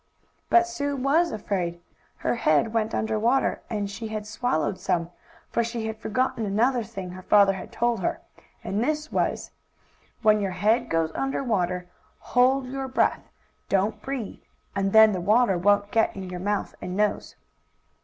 But Sue was afraid. Her head went under water, and she had swallowed some, for she had forgotten another thing her father had told her, and this was: "When your head goes under water, hold your breath don't breathe and then the water won't get in your mouth and nose."